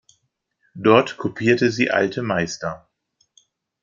Dort kopierte sie alte Meister.